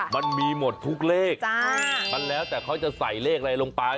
มันมีหมดทุกเลขมันแล้วแต่เขาจะใส่เลขอะไรลงไป